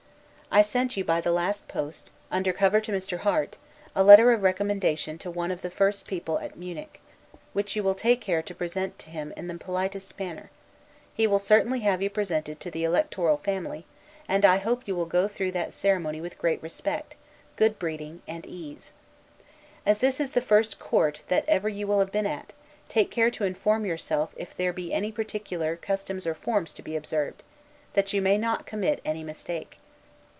I sent you by the last post, under cover to Mr. Harte, a letter of recommendation to one of the first people at Munich; which you will take care to present to him in the politest manner; he will certainly have you presented to the electoral family; and I hope you will go through that ceremony with great respect, good breeding, and ease. As this is the first court that ever you will have been at, take care to inform yourself if there be any particular, customs or forms to be observed, that you may not commit any mistake.